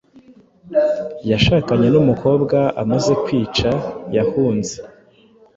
Yashakanye numukobwa Amaze kwica yahunze